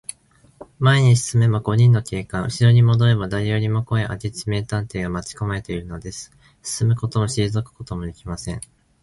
前に進めば五人の警官、うしろにもどれば、だれよりもこわい明智名探偵が待ちかまえているのです。進むこともしりぞくこともできません。